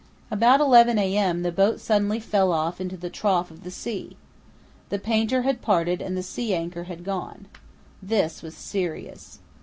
About 11 a.m. the boat suddenly fell off into the trough of the sea. The painter had parted and the sea anchor had gone. This was serious.